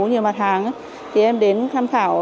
nhiều mặt hàng thì em đến tham khảo